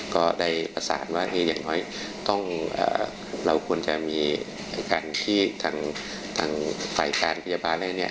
ก็ได้ผสานว่าอย่างน้อยเราควรจะมีการที่ไฟการพยาบาลหรืออย่างนี้